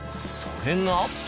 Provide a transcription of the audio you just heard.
それが。